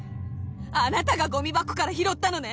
あなたがゴミ箱から拾ったのね